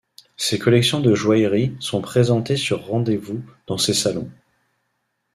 Ses collections de joaillerie sont présentées sur rendez-vous dans ses salons.